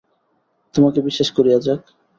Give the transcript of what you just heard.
তোমাকে বিশ্বাস করি, অ্যাজাক।